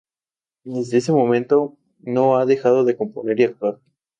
Desde ese momento no ha dejado de componer y actuar.